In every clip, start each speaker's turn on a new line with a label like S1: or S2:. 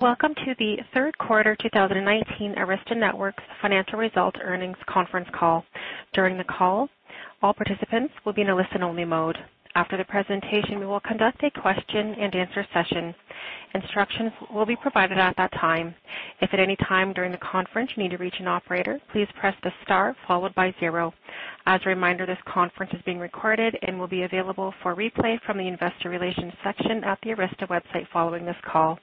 S1: Welcome to the third quarter 2019 Arista Networks financial results earnings conference call. During the call, all participants will be in a listen-only mode. After the presentation, we will conduct a question and answer session. Instructions will be provided at that time. If at any time during the conference you need to reach an operator, please press the star followed by zero. As a reminder, this conference is being recorded and will be available for replay from the investor relations section at the Arista website following this call.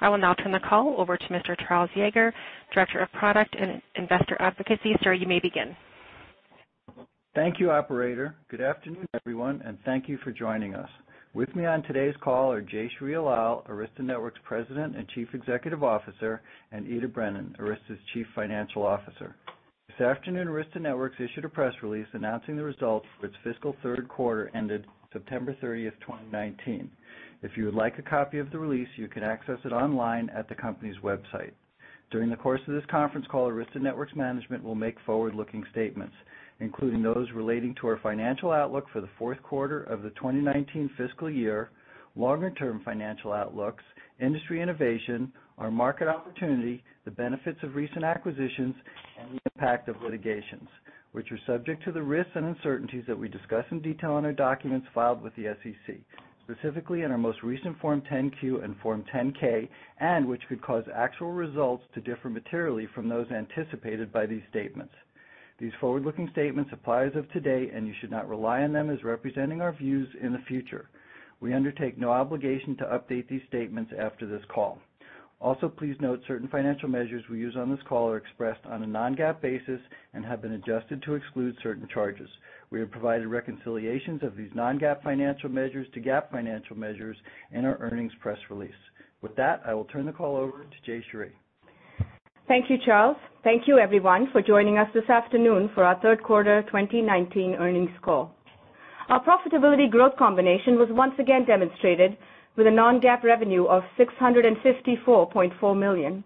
S1: I will now turn the call over to Mr. Charles Yager, Director of Product and Investor Advocacy. Sir, you may begin.
S2: Thank you, operator. Good afternoon, everyone, and thank you for joining us. With me on today's call are Jayshree Ullal, Arista Networks President and Chief Executive Officer, and Ita Brennan, Arista's Chief Financial Officer. This afternoon, Arista Networks issued a press release announcing the results for its fiscal third quarter ended September 30, 2019. If you would like a copy of the release, you can access it online at the company's website. During the course of this conference call, Arista Networks management will make forward-looking statements, including those relating to our financial outlook for the fourth quarter of the 2019 fiscal year, longer-term financial outlooks, industry innovation, our market opportunity, the benefits of recent acquisitions, and the impact of litigations, which are subject to the risks and uncertainties that we discuss in detail in our documents filed with the SEC, specifically in our most recent Form 10-Q and Form 10-K, and which could cause actual results to differ materially from those anticipated by these statements. You should not rely on them as representing our views in the future. We undertake no obligation to update these statements after this call. Please note certain financial measures we use on this call are expressed on a non-GAAP basis and have been adjusted to exclude certain charges. We have provided reconciliations of these non-GAAP financial measures to GAAP financial measures in our earnings press release. With that, I will turn the call over to Jayshree.
S3: Thank you, Charles. Thank you, everyone, for joining us this afternoon for our third quarter 2019 earnings call. Our profitability growth combination was once again demonstrated with a non-GAAP revenue of $654.4 million,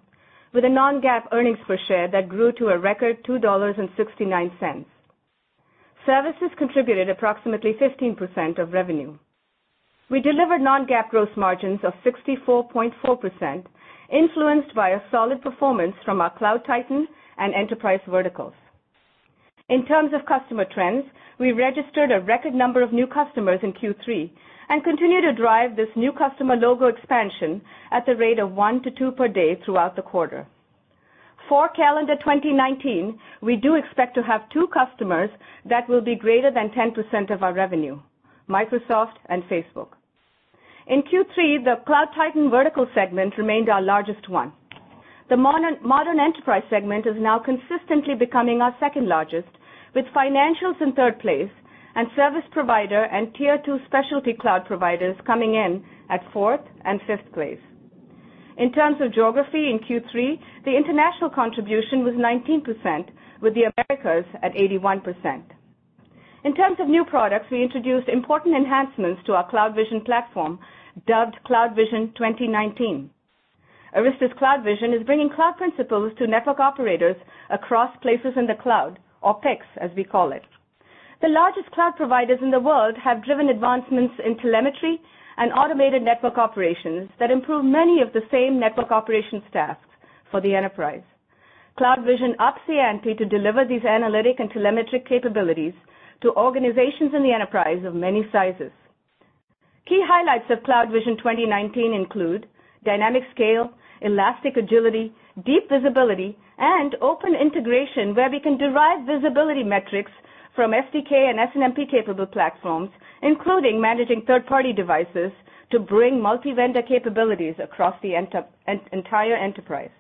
S3: with a non-GAAP earnings per share that grew to a record $2.69. Services contributed approximately 15% of revenue. We delivered non-GAAP gross margins of 64.4% influenced by a solid performance from our Cloud Titan and enterprise verticals. In terms of customer trends, we registered a record number of new customers in Q3 and continue to drive this new customer logo expansion at the rate of one to two per day throughout the quarter. For calendar 2019, we do expect to have two customers that will be greater than 10% of our revenue, Microsoft and Facebook. In Q3, the Cloud Titan vertical segment remained our largest one. The modern enterprise segment is now consistently becoming our second largest, with financials in third place and service provider and tier 2 specialty cloud providers coming in at fourth and fifth place. In terms of geography in Q3, the international contribution was 19%, with the Americas at 81%. In terms of new products, we introduced important enhancements to our CloudVision platform, dubbed CloudVision 2019. Arista's CloudVision is bringing cloud principles to network operators across Places in the Cloud, or PICs as we call it. The largest cloud providers in the world have driven advancements in telemetry and automated network operations that improve many of the same network operations tasks for the enterprise. CloudVision ups the ante to deliver these analytic and telemetric capabilities to organizations in the enterprise of many sizes. Key highlights of CloudVision 2019 include dynamic scale, elastic agility, deep visibility, and open integration where we can derive visibility metrics from SDK and SNMP-capable platforms, including managing third-party devices to bring multi-vendor capabilities across the entire enterprise.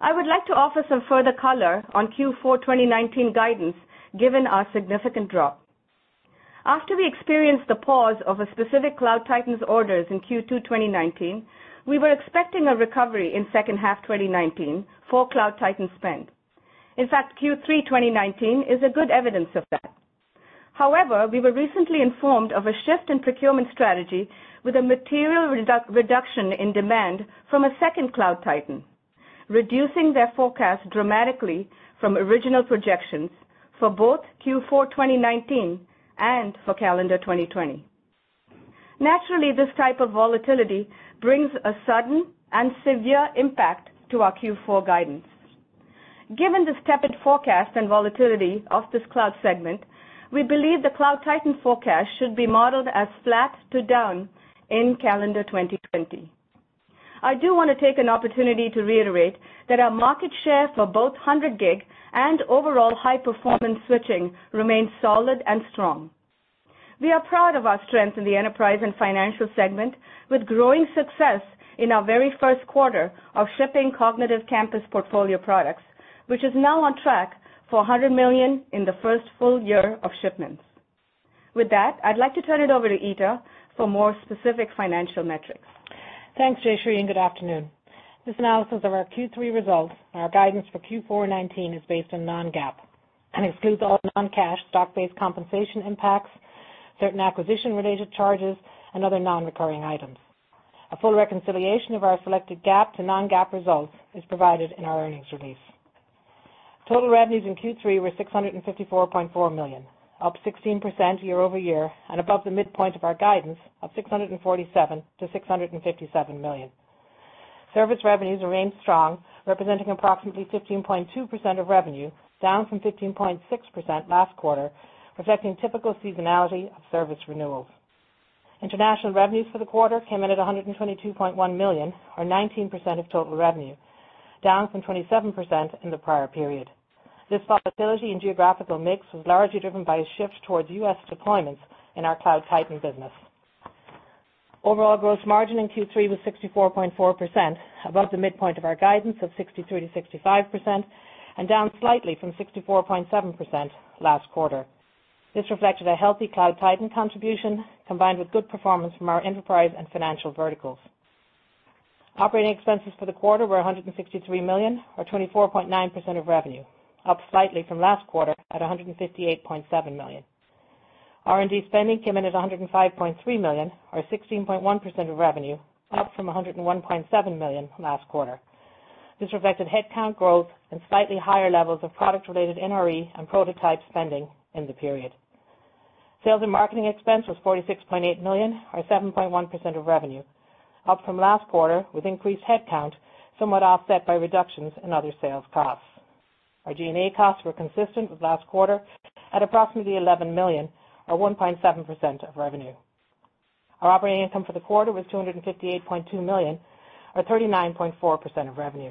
S3: I would like to offer some further color on Q4 2019 guidance given our significant drop. After we experienced the pause of a specific Cloud Titan's orders in Q2 2019, we were expecting a recovery in second half 2019 for Cloud Titan spend. In fact, Q3 2019 is good evidence of that. However, we were recently informed of a shift in procurement strategy with a material reduction in demand from a second Cloud Titan, reducing their forecast dramatically from original projections for both Q4 2019 and for calendar 2020. Naturally, this type of volatility brings a sudden and severe impact to our Q4 guidance. Given the tepid forecast and volatility of this cloud segment, we believe the Cloud Titan forecast should be modeled as flat to down in calendar 2020. I do want to take an opportunity to reiterate that our market share for both 100G and overall high-performance switching remains solid and strong. We are proud of our strength in the enterprise and financial segment with growing success in our very first quarter of shipping Cognitive Campus portfolio products, which is now on track for $100 million in the first full year of shipments. With that, I'd like to turn it over to Ita for more specific financial metrics.
S4: Thanks, Jayshree. Good afternoon. This analysis of our Q3 results and our guidance for Q4 2019 is based on non-GAAP and excludes all non-cash stock-based compensation impacts, certain acquisition-related charges, and other non-recurring items. A full reconciliation of our selected GAAP to non-GAAP results is provided in our earnings release. Total revenues in Q3 were $654.4 million, up 16% year-over-year and above the midpoint of our guidance of $647 million-$657 million. Service revenues remained strong, representing approximately 15.2% of revenue, down from 15.6% last quarter, reflecting typical seasonality of service renewals. International revenues for the quarter came in at $122.1 million, or 19% of total revenue, down from 27% in the prior period. This volatility in geographical mix was largely driven by a shift towards U.S. deployments in our Cloud Titan business. Overall gross margin in Q3 was 64.4%, above the midpoint of our guidance of 63%-65%, and down slightly from 64.7% last quarter. This reflected a healthy Cloud Titan contribution, combined with good performance from our enterprise and financial verticals. Operating expenses for the quarter were $163 million, or 24.9% of revenue, up slightly from last quarter at $158.7 million. R&D spending came in at $105.3 million, or 16.1% of revenue, up from $101.7 million last quarter. This reflected headcount growth and slightly higher levels of product-related NRE and prototype spending in the period. Sales and marketing expense was $46.8 million, or 7.1% of revenue, up from last quarter with increased headcount somewhat offset by reductions in other sales costs. Our G&A costs were consistent with last quarter at approximately $11 million, or 1.7% of revenue. Our operating income for the quarter was $258.2 million, or 39.4% of revenue.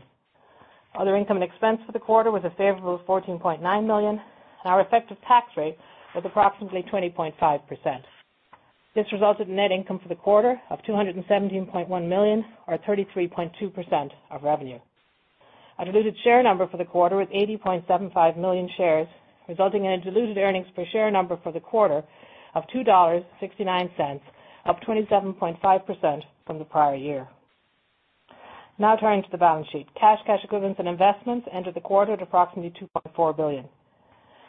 S4: Other income and expense for the quarter was a favorable $14.9 million, and our effective tax rate was approximately 20.5%. This resulted in net income for the quarter of $217.1 million, or 33.2% of revenue. Our diluted share number for the quarter was 80.75 million shares, resulting in a diluted earnings per share number for the quarter of $2.69, up 27.5% from the prior year. Now turning to the balance sheet. Cash, cash equivalents, and investments entered the quarter at approximately $2.4 billion.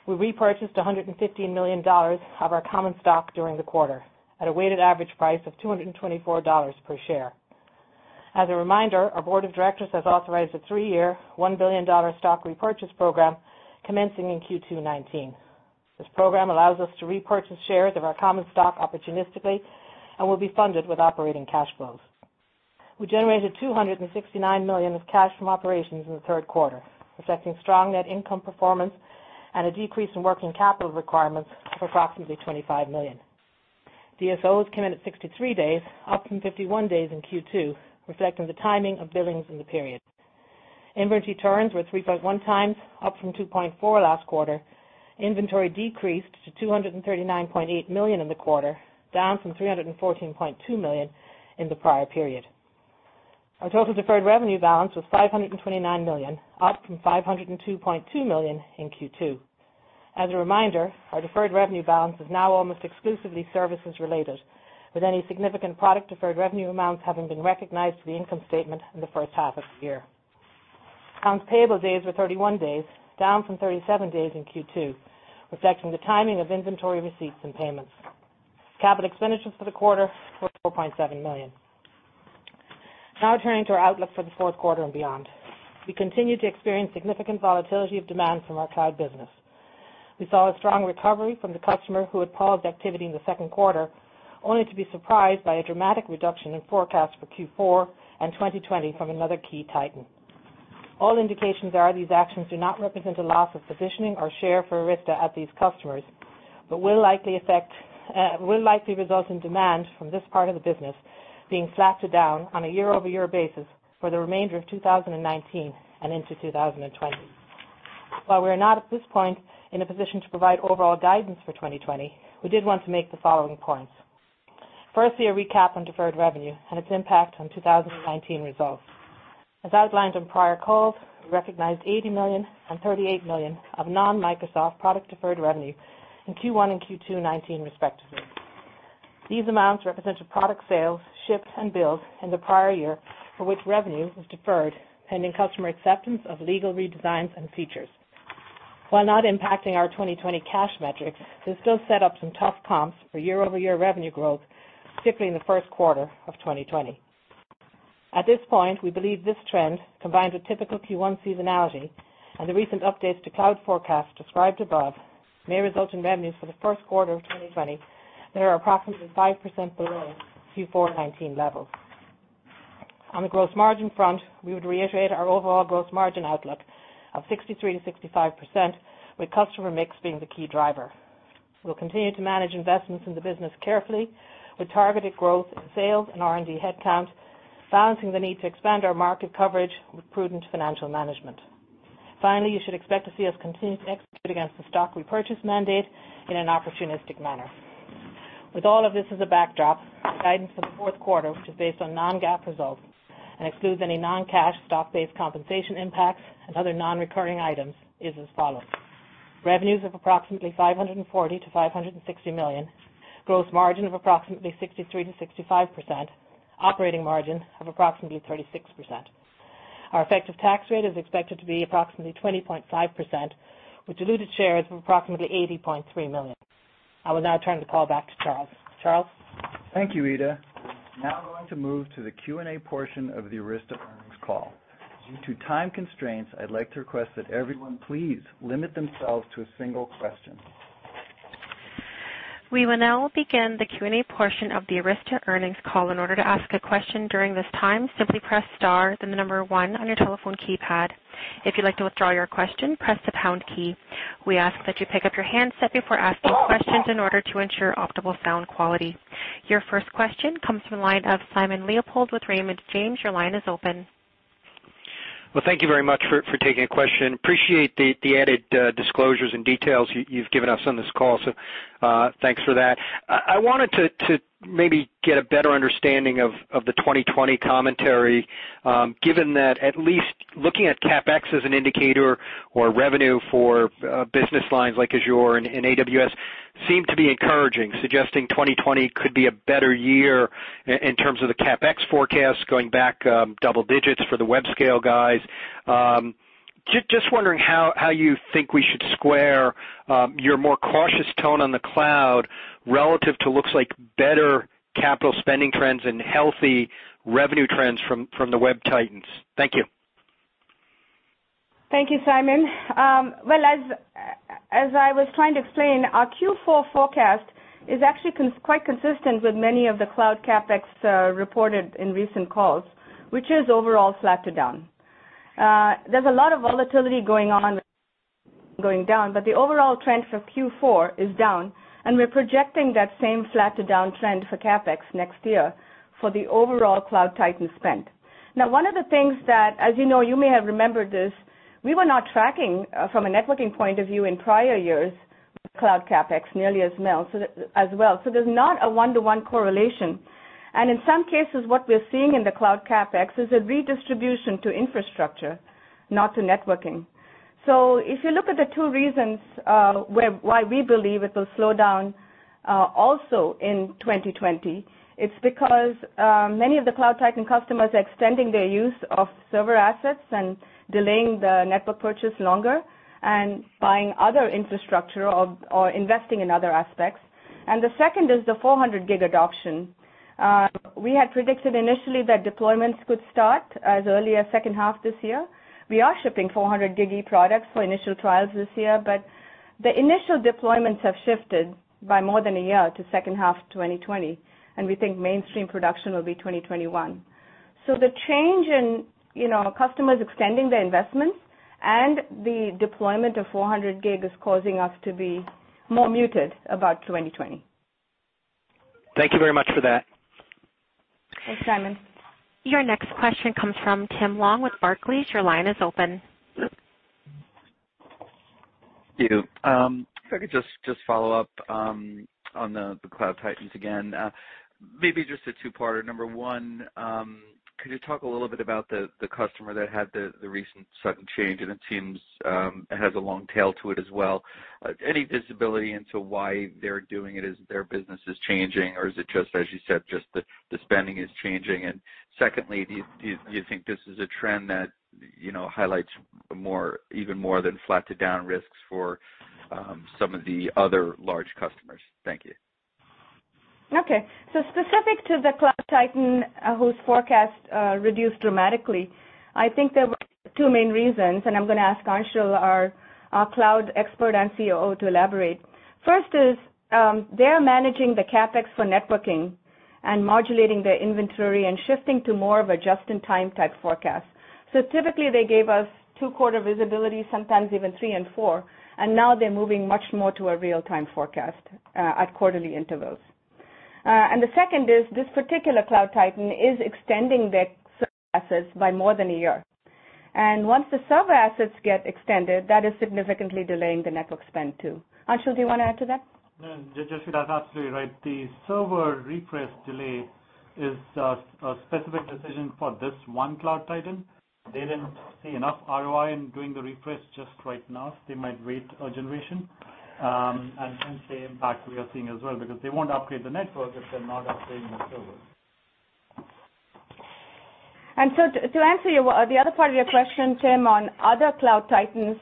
S4: We repurchased $115 million of our common stock during the quarter at a weighted average price of $224 per share. As a reminder, our board of directors has authorized a three-year, $1 billion stock repurchase program commencing in Q2 2019. This program allows us to repurchase shares of our common stock opportunistically and will be funded with operating cash flows. We generated $269 million of cash from operations in the third quarter, reflecting strong net income performance and a decrease in working capital requirements of approximately $25 million. DSOs came in at 63 days, up from 51 days in Q2, reflecting the timing of billings in the period. Inventory turns were 3.1 times, up from 2.4 last quarter. Inventory decreased to $239.8 million in the quarter, down from $314.2 million in the prior period. Our total deferred revenue balance was $529 million, up from $502.2 million in Q2. As a reminder, our deferred revenue balance is now almost exclusively services-related, with any significant product deferred revenue amounts having been recognized for the income statement in the first half of the year. Accounts payable days were 31 days, down from 37 days in Q2, reflecting the timing of inventory receipts and payments. Capital expenditures for the quarter were $4.7 million. Turning to our outlook for the fourth quarter and beyond. We continue to experience significant volatility of demand from our cloud business. We saw a strong recovery from the customer who had paused activity in the second quarter, only to be surprised by a dramatic reduction in forecast for Q4 and 2020 from another key Titan. All indications are these actions do not represent a loss of positioning or share for Arista at these customers, but will likely result in demand from this part of the business being slapped down on a year-over-year basis for the remainder of 2019 and into 2020. While we are not at this point in a position to provide overall guidance for 2020, we did want to make the following points. Firstly, a recap on deferred revenue and its impact on 2019 results. As outlined on prior calls, we recognized $80 million and $38 million of non-Microsoft product deferred revenue in Q1 and Q2 2019 respectively. These amounts represented product sales, ships, and bills in the prior year for which revenue was deferred pending customer acceptance of legal redesigns and features. While not impacting our 2020 cash metrics, this still set up some tough comps for year-over-year revenue growth, particularly in the first quarter of 2020. At this point, we believe this trend, combined with typical Q1 seasonality and the recent updates to cloud forecast described above, may result in revenues for the first quarter of 2020 that are approximately 5% below Q4 '19 levels. On the gross margin front, we would reiterate our overall gross margin outlook of 63%-65%, with customer mix being the key driver. We'll continue to manage investments in the business carefully with targeted growth in sales and R&D headcount, balancing the need to expand our market coverage with prudent financial management. Finally, you should expect to see us continue to execute against the stock repurchase mandate in an opportunistic manner. With all of this as a backdrop, our guidance for the fourth quarter, which is based on non-GAAP results and excludes any non-cash stock-based compensation impacts and other non-recurring items, is as follows. Revenues of approximately $540 million-$560 million, gross margin of approximately 63%-65%, operating margin of approximately 36%. Our effective tax rate is expected to be approximately 20.5%, with diluted shares of approximately 80.3 million.
S3: I will now turn the call back to Charles. Charles?
S2: Thank you, Ita. We're now going to move to the Q&A portion of the Arista earnings call. Due to time constraints, I'd like to request that everyone please limit themselves to a single question.
S1: We will now begin the Q&A portion of the Arista earnings call. In order to ask a question during this time, simply press star then the number 1 on your telephone keypad. If you'd like to withdraw your question, press the pound key. We ask that you pick up your handset before asking questions in order to ensure optimal sound quality. Your first question comes from the line of Simon Leopold with Raymond James. Your line is open.
S5: Well, thank you very much for taking a question. Appreciate the added disclosures and details you've given us on this call, so thanks for that. I wanted to maybe get a better understanding of the 2020 commentary, given that at least looking at CapEx as an indicator or revenue for business lines like Azure and AWS seem to be encouraging, suggesting 2020 could be a better year in terms of the CapEx forecast going back double digits for the web scale guys. Just wondering how you think we should square your more cautious tone on the cloud relative to looks like better capital spending trends and healthy revenue trends from the web titans. Thank you.
S3: Thank you, Simon. Well, as I was trying to explain, our Q4 forecast is actually quite consistent with many of the cloud CapEx reported in recent calls, which is overall flat to down. The overall trend for Q4 is down, and we're projecting that same flat to down trend for CapEx next year for the overall Cloud Titan spend. One of the things that, as you know, you may have remembered this, we were not tracking from a networking point of view in prior years, cloud CapEx nearly as well. There's not a one-to-one correlation. In some cases, what we're seeing in the cloud CapEx is a redistribution to infrastructure, not to networking. If you look at the two reasons why we believe it will slow down also in 2020, it's because many of the Cloud Titan customers are extending their use of server assets and delaying the network purchase longer and buying other infrastructure or investing in other aspects. The second is the 400G adoption. We had predicted initially that deployments could start as early as second half this year. We are shipping 400GbE products for initial trials this year, but the initial deployments have shifted by more than a year to second half 2020, and we think mainstream production will be 2021. The change in customers extending their investments and the deployment of 400G is causing us to be more muted about 2020.
S5: Thank you very much for that.
S3: Thanks, Simon.
S1: Your next question comes from Tim Long with Barclays. Your line is open.
S6: Thank you. If I could just follow up on the Cloud Titans again. Maybe just a two-parter. Number one, could you talk a little bit about the customer that had the recent sudden change, and it seems it has a long tail to it as well. Any visibility into why they're doing it as their business is changing, or is it just, as you said, just the spending is changing? Secondly, do you think this is a trend that highlights even more than flat to down risks for some of the other large customers? Thank you.
S3: Okay. Specific to the Cloud Titan whose forecast reduced dramatically, I think there were two main reasons, I'm going to ask Anshul, our cloud expert and COO, to elaborate. First is, they are managing the CapEx for networking and modulating their inventory and shifting to more of a just-in-time type forecast. Typically, they gave us two quarter visibility, sometimes even three and four, now they're moving much more to a real-time forecast at quarterly intervals. The second is this particular Cloud Titan is extending their server assets by more than a year. Once the server assets get extended, that is significantly delaying the network spend, too. Anshul, do you want to add to that?
S7: No, Jayshree, that's absolutely right. The server refresh delay is a specific decision for this one Cloud Titan. They didn't see enough ROI in doing the refresh just right now, so they might wait a generation. Hence the impact we are seeing as well, because they won't upgrade the network if they're not upgrading the server.
S3: To answer the other part of your question, Tim, on other Cloud Titans,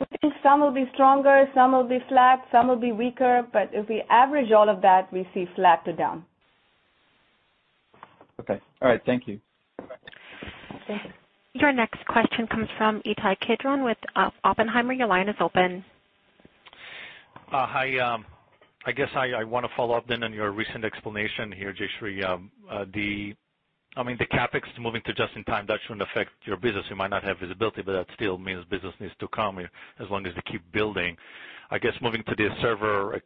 S3: we think some will be stronger, some will be flat, some will be weaker, but if we average all of that, we see flat to down.
S6: Okay. All right, thank you.
S3: Okay.
S1: Your next question comes from Ittai Kidron with Oppenheimer. Your line is open.
S8: Hi. I guess I want to follow up then on your recent explanation here, Jayshree. The CapEx moving to just in time, that shouldn't affect your business. You might not have visibility, but that still means business needs to come as long as they keep building. I guess moving to the server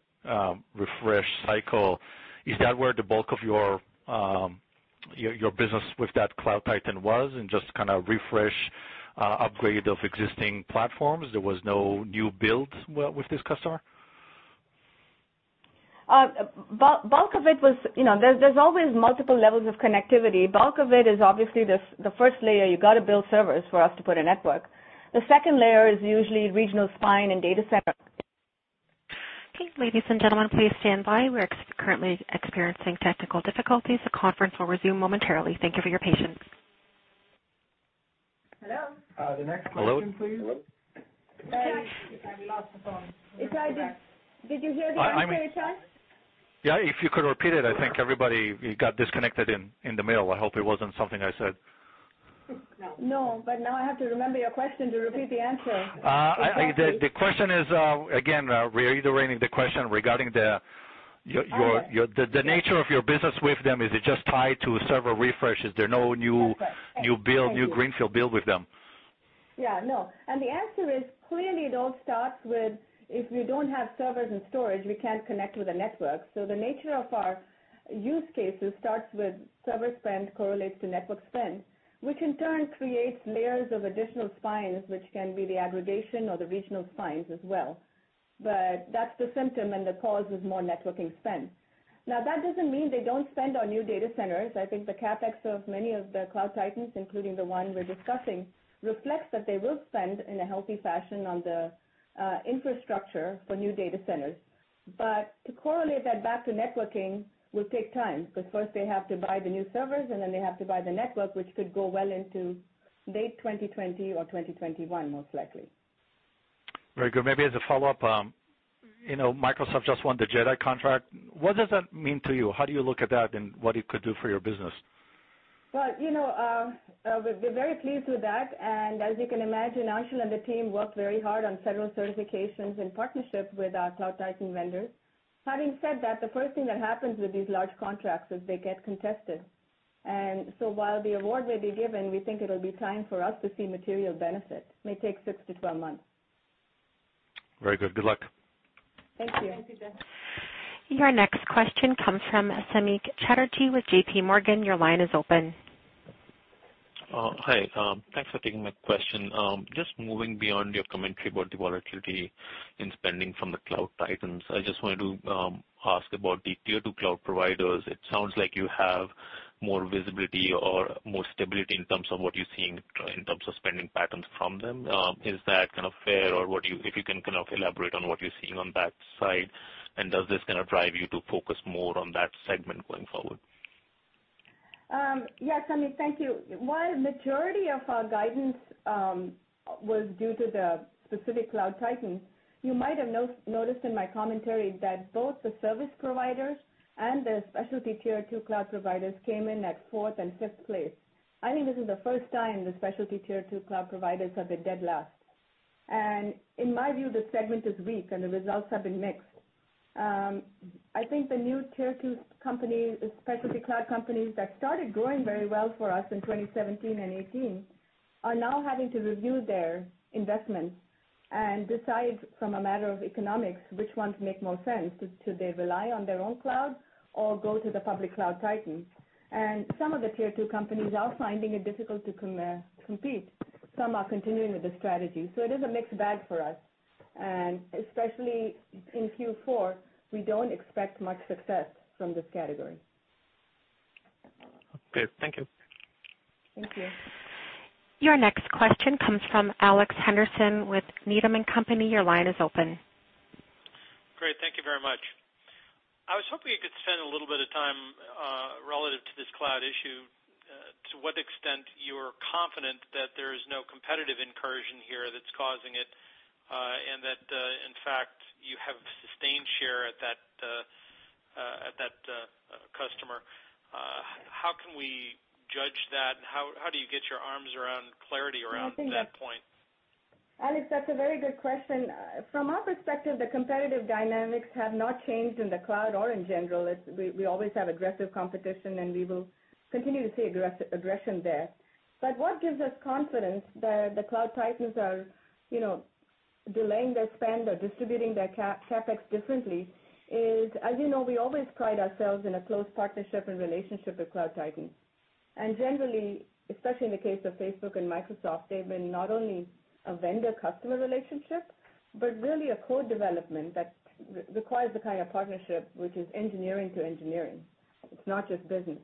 S8: refresh cycle, is that where the bulk of your business with that Cloud Titan was in just refresh, upgrade of existing platforms? There was no new build with this customer?
S3: There's always multiple levels of connectivity. Bulk of it is obviously the first layer. You got to build servers for us to put a network. The second layer is usually regional spine and data center.
S1: Okay. Ladies and gentlemen, please stand by. We're currently experiencing technical difficulties. The conference will resume momentarily. Thank you for your patience.
S3: Hello?
S8: The next question, please.
S7: Hello? Hello?
S3: We lost the phone.
S7: We're back.
S3: Did you hear that, Josh?
S8: Yeah, if you could repeat it, I think everybody got disconnected in the middle. I hope it wasn't something I said.
S3: No. Now I have to remember your question to repeat the answer.
S8: The question is, again, reiterating the question regarding the nature of your business with them. Is it just tied to server refreshes? There are no new greenfield build with them?
S3: Yeah, no. Clearly, it all starts with, if we don't have servers and storage, we can't connect with the network. The nature of our use cases starts with server spend correlates to network spend, which in turn creates layers of additional spines, which can be the aggregation or the regional spines as well. That's the symptom, and the cause is more networking spend. Now, that doesn't mean they don't spend on new data centers. I think the CapEx of many of the Cloud Titans, including the one we're discussing, reflects that they will spend in a healthy fashion on the infrastructure for new data centers. To correlate that back to networking will take time, because first they have to buy the new servers, and then they have to buy the network, which could go well into late 2020 or 2021, most likely.
S8: Very good. Maybe as a follow-up, Microsoft just won the JEDI contract. What does that mean to you? How do you look at that and what it could do for your business?
S3: We're very pleased with that. As you can imagine, Anshul and the team worked very hard on several certifications and partnerships with our Cloud Titan vendors. Having said that, the first thing that happens with these large contracts is they get contested. While the award may be given, we think it'll be time for us to see material benefit. May take 6 to 12 months.
S8: Very good. Good luck.
S3: Thank you.
S7: Thank you, Ittai.
S1: Your next question comes from Samik Chatterjee with JP Morgan. Your line is open.
S9: Hi. Thanks for taking my question. Just moving beyond your commentary about the volatility in spending from the Cloud Titans, I just wanted to ask about the tier 2 cloud providers. It sounds like you have more visibility or more stability in terms of what you're seeing in terms of spending patterns from them. Is that kind of fair? If you can kind of elaborate on what you're seeing on that side, does this drive you to focus more on that segment going forward?
S3: Samik, thank you. While majority of our guidance was due to the specific Cloud Titans, you might have noticed in my commentary that both the service providers and the specialty tier 2 cloud providers came in at 4th and 5th place. I think this is the 1st time the specialty tier 2 cloud providers have been dead last. In my view, this segment is weak and the results have been mixed. I think the new tier 2 companies, specialty cloud companies that started growing very well for us in 2017 and 2018, are now having to review their investments and decide from a matter of economics, which ones make more sense. Do they rely on their own cloud or go to the public Cloud Titans? Some of the tier 2 companies are finding it difficult to compete. Some are continuing with the strategy. It is a mixed bag for us, and especially in Q4, we don't expect much success from this category.
S9: Okay, thank you.
S3: Thank you.
S1: Your next question comes from Alex Henderson with Needham & Company. Your line is open.
S10: Great. Thank you very much. I was hoping we could spend a little bit of time, relative to this cloud issue, to what extent you're confident that there is no competitive incursion here that's causing it, and that, in fact, you have sustained share at that customer. How can we judge that? How do you get your arms around clarity around that point?
S3: Alex, that's a very good question. From our perspective, the competitive dynamics have not changed in the cloud or in general. We always have aggressive competition, and we will continue to see aggression there. What gives us confidence that the Cloud Titans are delaying their spend or distributing their CapEx differently is, you know, we always pride ourselves in a close partnership and relationship with Cloud Titans. Generally, especially in the case of Facebook and Microsoft, they've been not only a vendor-customer relationship, but really a co-development that requires the kind of partnership which is engineering to engineering. It's not just business.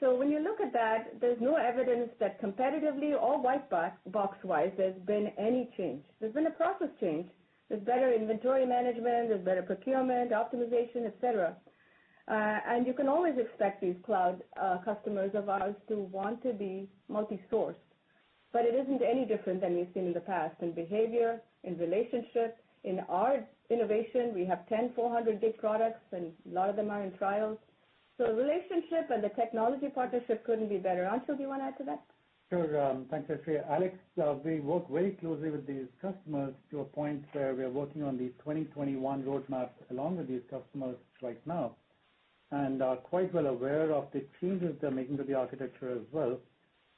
S3: When you look at that, there's no evidence that competitively or white box-wise, there's been any change. There's been a process change. There's better inventory management, there's better procurement optimization, et cetera. You can always expect these cloud customers of ours to want to be multi-sourced. It isn't any different than we've seen in the past in behavior, in relationships. In our innovation, we have 10 400G products, and a lot of them are in trials. The relationship and the technology partnership couldn't be better. Anshul, do you want to add to that?
S7: Sure. Thanks, Jayshree. Alex, we work very closely with these customers to a point where we are working on the 2021 roadmap along with these customers right now, and are quite well aware of the changes they're making to the architecture as well,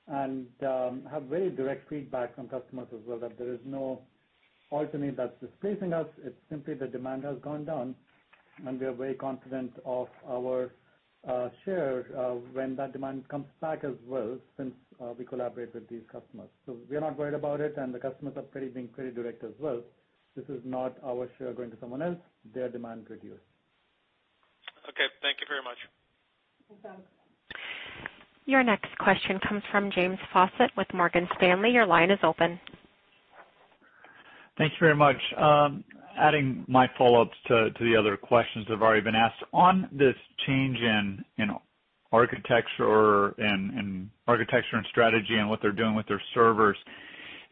S7: and have very direct feedback from customers as well, that there is no alternate that's displacing us. It's simply the demand has gone down, and we are very confident of our share when that demand comes back as well, since we collaborate with these customers. We are not worried about it, and the customers are being pretty direct as well. This is not our share going to someone else, their demand reduced.
S10: Okay. Thank you very much.
S3: Thanks, Alex.
S1: Your next question comes from James Faucett with Morgan Stanley. Your line is open.
S11: Thank you very much. Adding my follow-ups to the other questions that have already been asked. On this change in architecture and strategy and what they're doing with their servers,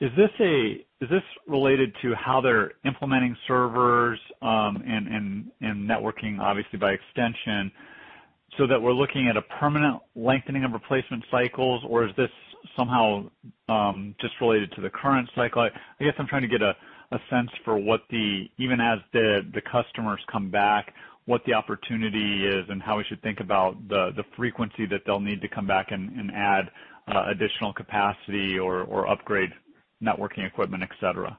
S11: is this related to how they're implementing servers and networking, obviously, by extension, so that we're looking at a permanent lengthening of replacement cycles? Or is this somehow just related to the current cycle? I guess I'm trying to get a sense for what the, even as the customers come back, what the opportunity is and how we should think about the frequency that they'll need to come back and add additional capacity or upgrade networking equipment, et cetera.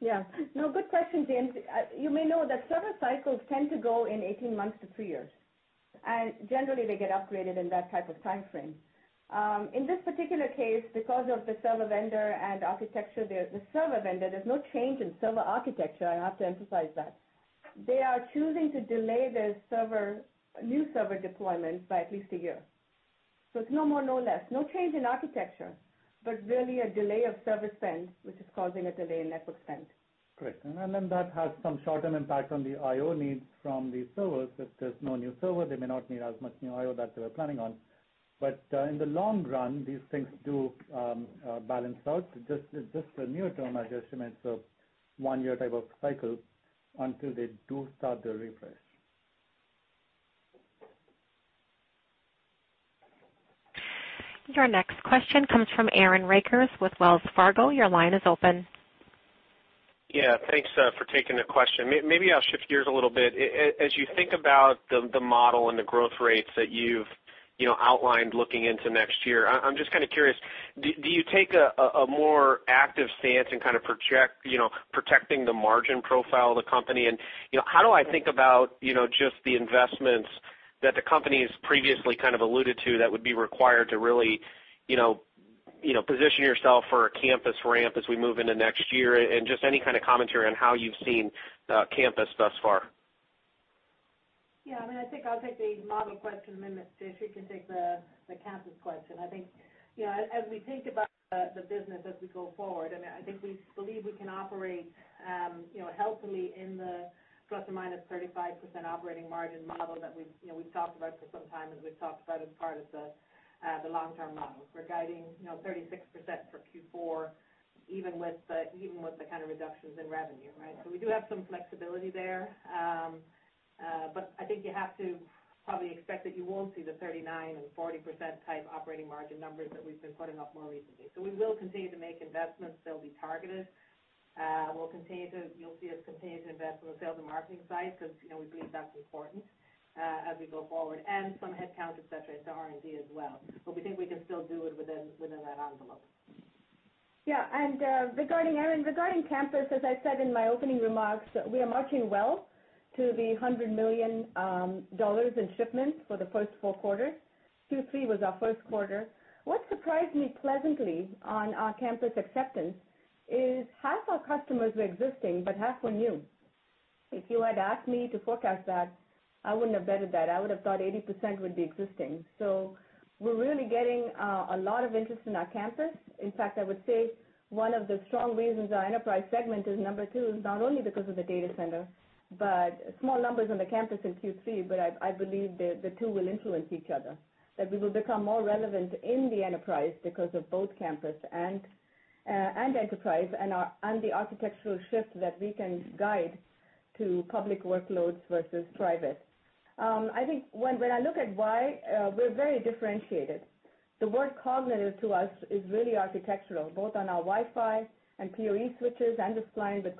S3: Yeah. No, good question, James. You may know that server cycles tend to go in 18 months to three years, and generally, they get upgraded in that type of timeframe. In this particular case, because of the server vendor and architecture there's no change in server architecture. I have to emphasize that. They are choosing to delay their new server deployments by at least a year. It's no more, no less, no change in architecture, but really a delay of server spend, which is causing a delay in network spend.
S7: Correct. That has some short-term impact on the IO needs from these servers. If there's no new server, they may not need as much new IO that they were planning on. In the long run, these things do balance out. It's just a near-term, I'd estimate, so 1-year type of cycle until they do start the refresh.
S1: Your next question comes from Aaron Rakers with Wells Fargo. Your line is open.
S12: Thanks for taking the question. Maybe I'll shift gears a little bit. As you think about the model and the growth rates that you've outlined looking into next year, I'm just kind of curious, do you take a more active stance in kind of protecting the margin profile of the company? How do I think about just the investments that the company's previously kind of alluded to that would be required to really position yourself for a campus ramp as we move into next year? Just any kind of commentary on how you've seen campus thus far?
S4: I think I'll take the model question, then Jayshree can take the campus question. I think as we think about the business as we go forward, I think we believe we can operate healthily in the plus or minus 35% operating margin model that we've talked about for some time, as we've talked about as part of the long-term model. We're guiding 36% for Q4, even with the kind of reductions in revenue, right? We do have some flexibility there. I think you have to probably expect that you won't see the 39% and 40% type operating margin numbers that we've been putting up more recently. We will continue to make investments that'll be targeted. You'll see us continue to invest on the sales and marketing side because we believe that's important as we go forward, and some headcount, et cetera, so R&D as well. We think we can still do it within that envelope.
S3: Yeah. Aaron, regarding campus, as I said in my opening remarks, we are marching well to the $100 million in shipments for the first four quarters. Q3 was our first quarter. What surprised me pleasantly on our campus acceptance is half our customers were existing, but half were new. If you had asked me to forecast that, I wouldn't have betted that. I would have thought 80% would be existing. We're really getting a lot of interest in our campus.
S7: In fact, I would say one of the strong reasons our enterprise segment is number two is not only because of the data center, but small numbers on the campus in Q3, but I believe the two will influence each other, that we will become more relevant in the enterprise because of both campus and enterprise and the architectural shift that we can guide to public workloads versus private. I think when I look at why, we're very differentiated. The word cognitive to us is really architectural, both on our Wi-Fi and PoE switches and the spine with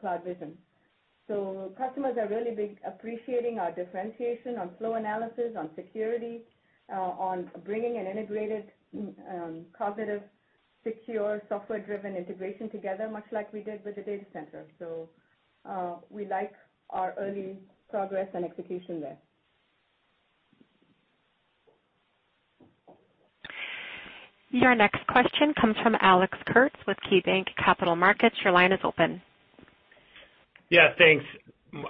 S7: CloudVision. Customers are really appreciating our differentiation on flow analysis, on security, on bringing an integrated, cognitive, secure, software-driven integration together, much like we did with the data center. We like our early progress and execution there.
S1: Your next question comes from Alex Kurtz with KeyBanc Capital Markets. Your line is open.
S13: Yeah, thanks.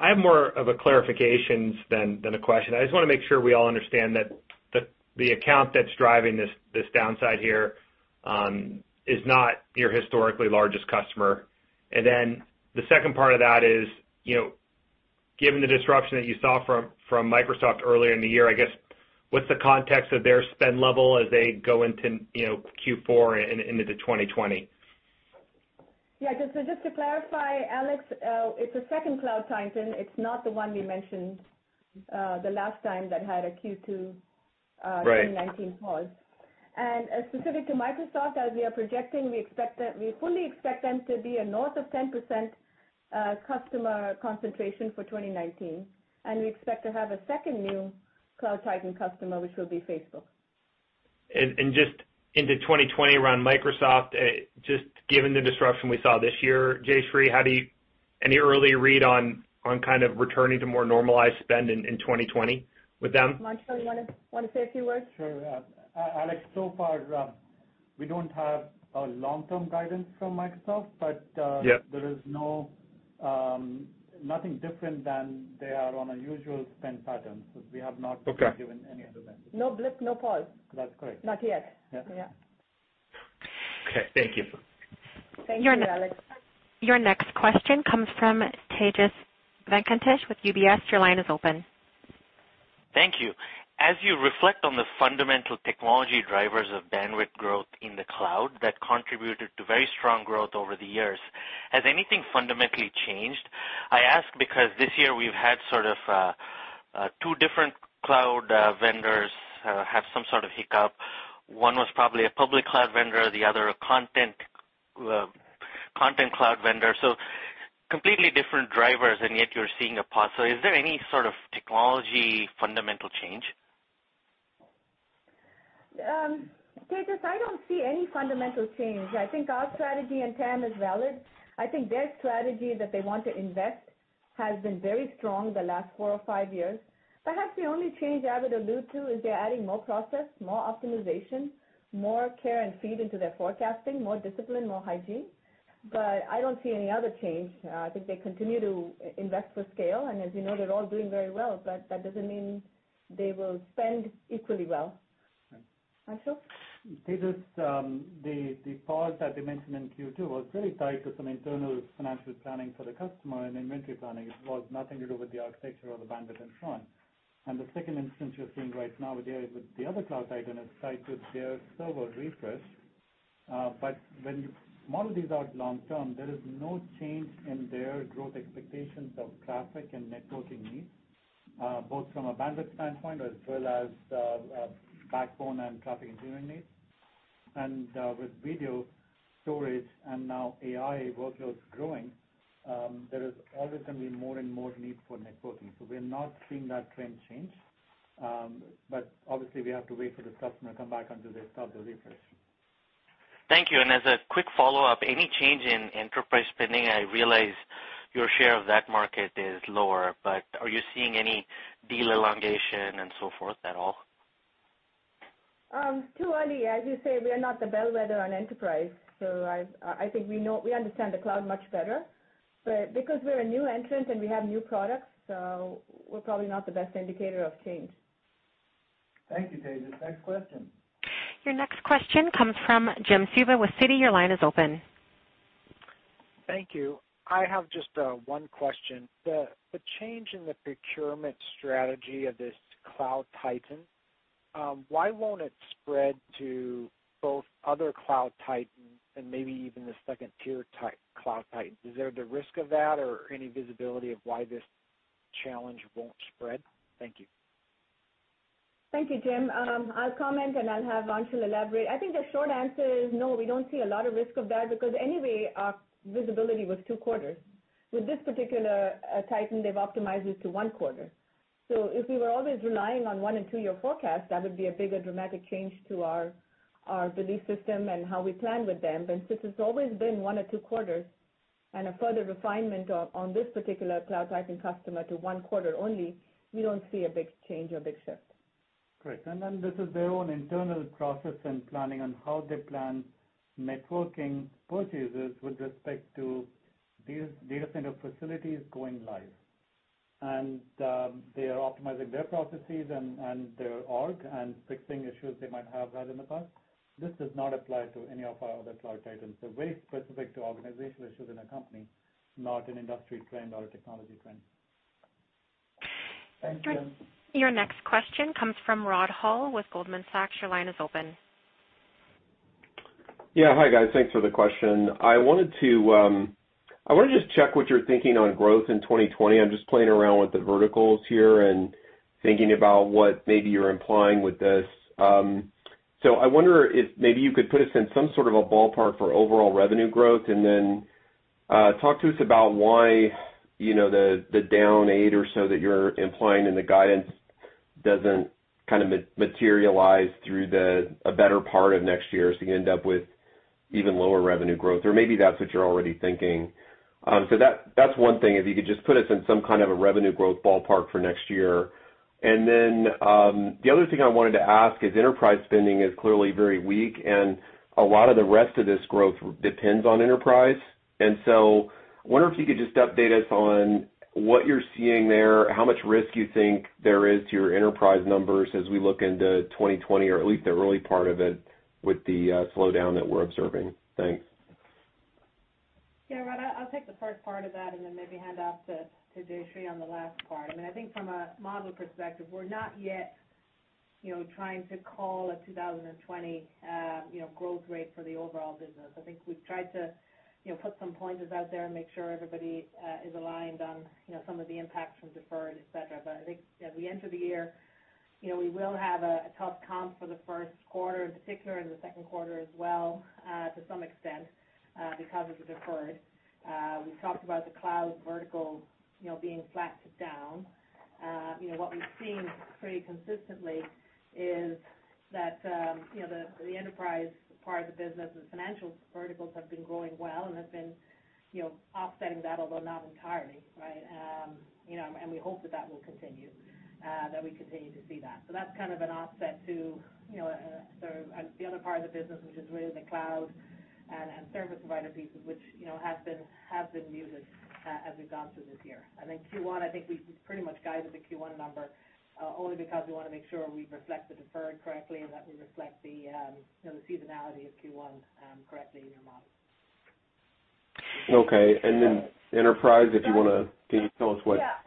S13: I have more of a clarifications than a question. I just want to make sure we all understand that the account that's driving this downside here is not your historically largest customer. The second part of that is, given the disruption that you saw from Microsoft earlier in the year, I guess, what's the context of their spend level as they go into Q4 and into 2020?
S3: Yeah. Just to clarify, Alex, it's a second Cloud Titan. It's not the one we mentioned the last time that had a Q2-
S13: Right
S4: 2019. Specific to Microsoft, as we are projecting, we fully expect them to be a north of 10% customer concentration for 2019, and we expect to have a second new Cloud Titan customer, which will be Facebook.
S13: Just into 2020 around Microsoft, just given the disruption we saw this year, Jayshree, any early read on kind of returning to more normalized spend in 2020 with them?
S3: [Munjal], you want to say a few words?
S14: Sure. Alex, so far, we don't have a long-term guidance from Microsoft. Yep There is nothing different than they are on a usual spend pattern. We have not.
S13: Okay.
S14: given any other guidance.
S3: No blip, no pause. That's correct. Not yet. Yeah. Yeah.
S2: Okay, thank you.
S4: Thank you, Alex.
S1: Your next question comes from Tejas Venkatesh with UBS. Your line is open.
S15: Thank you. As you reflect on the fundamental technology drivers of bandwidth growth in the cloud that contributed to very strong growth over the years, has anything fundamentally changed? I ask because this year we've had sort of two different cloud vendors have some sort of hiccup. One was probably a public cloud vendor, the other a content cloud vendor. Completely different drivers, and yet you're seeing a pause. Is there any sort of technology fundamental change?
S3: Tejas, I don't see any fundamental change. I think our strategy and TAM is valid. I think their strategy that they want to invest has been very strong the last four or five years. Perhaps the only change I would allude to is they're adding more process, more optimization, more care, and feed into their forecasting, more discipline, more hygiene. I don't see any other change. I think they continue to invest for scale, and as you know, they're all doing very well. That doesn't mean they will spend equally well.
S15: Thanks.
S3: Anshul.
S7: Tejas, the pause that we mentioned in Q2 was very tied to some internal financial planning for the customer and inventory planning. It was nothing to do with the architecture or the bandwidth and so on. The second instance you're seeing right now with the other Cloud Titan is tied to their server refresh. When you model these out long term, there is no change in their growth expectations of traffic and networking needs, both from a bandwidth standpoint as well as backbone and traffic engineering needs. With video storage and now AI workloads growing, there is always going to be more and more need for networking. We're not seeing that trend change. Obviously, we have to wait for the customer to come back until they start the refresh.
S15: Thank you. As a quick follow-up, any change in enterprise spending? I realize your share of that market is lower, but are you seeing any deal elongation and so forth at all?
S3: It's too early. As you say, we are not the bellwether on enterprise. I think we understand the cloud much better. Because we're a new entrant and we have new products, so we're probably not the best indicator of change.
S2: Thank you, Tejas. Next question.
S1: Your next question comes from Jim Suva with Citi. Your line is open.
S16: Thank you. I have just one question. The change in the procurement strategy of this Cloud Titan, why won't it spread to both other Cloud Titans and maybe even the 2nd-tier type Cloud Titans? Is there the risk of that or any visibility of why this challenge won't spread? Thank you.
S3: Thank you, Jim. I'll comment, and I'll have Anshul elaborate. I think the short answer is no, we don't see a lot of risk of that because anyway, our visibility was 2 quarters. With this particular Cloud Titan, they've optimized it to 1 quarter. If we were always relying on 1 and 2-year forecasts, that would be a bigger dramatic change to our belief system and how we plan with them. Since it's always been 1 or 2 quarters and a further refinement on this particular Cloud Titan customer to 1 quarter only, we don't see a big change or big shift.
S7: Great. This is their own internal process and planning on how they plan networking purchases with respect to these data center facilities going live. They are optimizing their processes and their org and fixing issues they might have had in the past. This does not apply to any of our other Cloud Titans. They're very specific to organizational issues in a company, not an industry trend or a technology trend.
S2: Thanks, Jim.
S1: Your next question comes from Rod Hall with Goldman Sachs. Your line is open.
S17: Yeah. Hi, guys. Thanks for the question. I want to just check what you're thinking on growth in 2020. I'm just playing around with the verticals here and thinking about what maybe you're implying with this. I wonder if maybe you could put us in some sort of a ballpark for overall revenue growth, and then talk to us about why the down eight or so that you're implying in the guidance doesn't kind of materialize through a better part of next year, so you end up with even lower revenue growth. Maybe that's what you're already thinking. That's one thing, if you could just put us in some kind of a revenue growth ballpark for next year. The other thing I wanted to ask is enterprise spending is clearly very weak, and a lot of the rest of this growth depends on enterprise. I wonder if you could just update us on what you're seeing there, how much risk you think there is to your enterprise numbers as we look into 2020, or at least the early part of it with the slowdown that we're observing. Thanks.
S4: Yeah, Rod, I'll take the first part of that and then maybe hand off to Jayshree on the last part. I think from a model perspective, we're not yet trying to call a 2020 growth rate for the overall business. I think we've tried to put some pointers out there and make sure everybody is aligned on some of the impacts from deferred, et cetera. I think as we enter the year, we will have a tough comp for the first quarter in particular, and the second quarter as well, to some extent, because of the deferred. We've talked about the cloud vertical being flat to down. What we've seen pretty consistently is that the enterprise part of the business, the financial verticals have been growing well and have been offsetting that, although not entirely. We hope that will continue, that we continue to see that. That's an offset to the other part of the business, which is really the cloud and service provider pieces, which have been muted as we've gone through this year. I think we've pretty much guided the Q1 number only because we want to make sure we reflect the deferred correctly and that we reflect the seasonality of Q1 correctly in your model.
S17: Okay. Then Enterprise, if you want to, can you tell us.
S3: Yeah.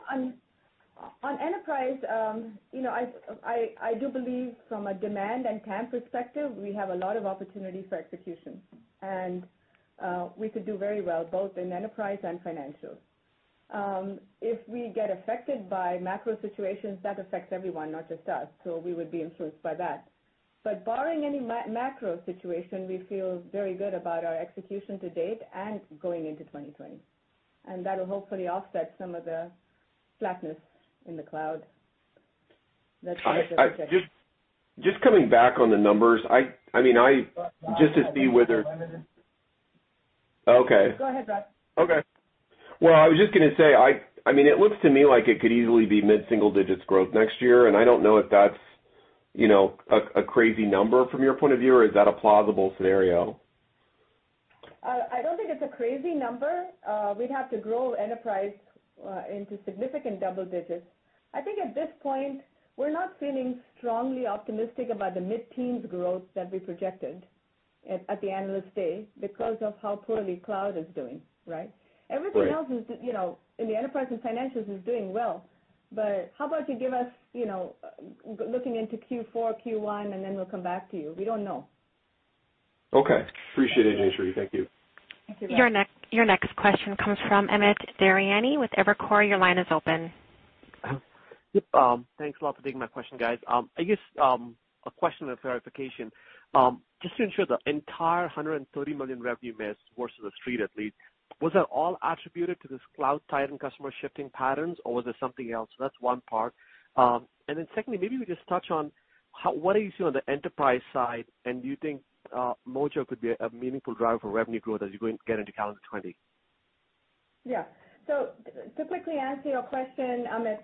S3: On Enterprise, I do believe from a demand and TAM perspective, we have a lot of opportunity for execution. We could do very well both in Enterprise and Financial. If we get affected by macro situations, that affects everyone, not just us, so we would be influenced by that. Barring any macro situation, we feel very good about our execution to date and going into 2020. That'll hopefully offset some of the flatness in the cloud that's here.
S17: Just coming back on the numbers, just to see whether.
S4: Go ahead, Brad.
S17: Okay. Well, I was just going to say, it looks to me like it could easily be mid-single digits growth next year, and I don't know if that's a crazy number from your point of view, or is that a plausible scenario?
S3: I don't think it's a crazy number. We'd have to grow Enterprise into significant double digits. I think at this point, we're not feeling strongly optimistic about the mid-teens growth that we projected at the Analyst Day because of how poorly cloud is doing. Right? Right. Everything else in the Enterprise and Financials is doing well. How about you give us, looking into Q4, Q1, and then we'll come back to you. We don't know.
S17: Okay. Appreciate it, Jayshree. Thank you.
S3: Thank you, Rod.
S1: Your next question comes from Amit Daryanani with Evercore. Your line is open.
S18: Yep. Thanks a lot for taking my question, guys. I guess a question of verification. Just to ensure the entire $130 million revenue miss versus the street at least, was that all attributed to this Cloud Titan customer shifting patterns, or was there something else? That's one part. Secondly, maybe we just touch on what are you seeing on the Enterprise side, and do you think Mojo could be a meaningful driver for revenue growth as you get into calendar 2020?
S3: Yeah. To quickly answer your question, Amit,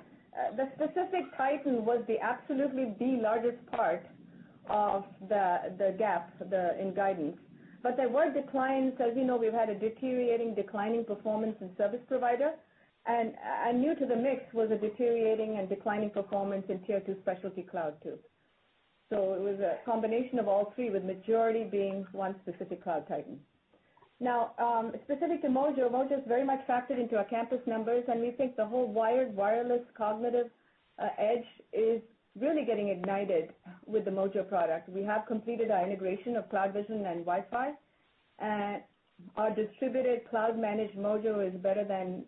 S3: the specific Cloud Titan was the absolutely the largest part of the gap in guidance. There were declines, as you know, we've had a deteriorating declining performance in service provider. New to the mix was a deteriorating and declining performance in tier 2 specialty cloud too. It was a combination of all three, with majority being one specific Cloud Titan. Specific to Mojo's very much factored into our campus numbers, and we think the whole wired, wireless, cognitive, edge is really getting ignited with the Mojo product. We have completed our integration of CloudVision and Wi-Fi. Our distributed cloud-managed Mojo is better than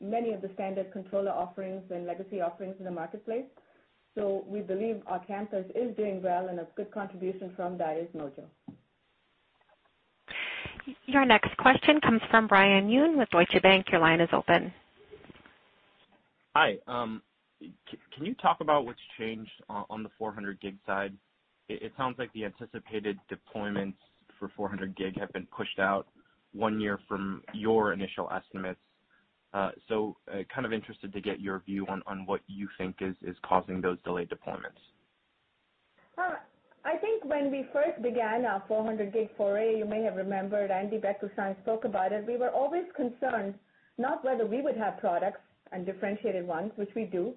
S3: many of the standard controller offerings and legacy offerings in the marketplace. We believe our campus is doing well, and a good contribution from that is Mojo.
S1: Your next question comes from Brian Yun with Deutsche Bank. Your line is open.
S19: Hi. Can you talk about what's changed on the 400G side? It sounds like the anticipated deployments for 400G have been pushed out one year from your initial estimates. Kind of interested to get your view on what you think is causing those delayed deployments.
S3: I think when we first began our 400G foray, you may have remembered Andy Bechtolsheim spoke about it, we were always concerned, not whether we would have products and differentiated ones, which we do,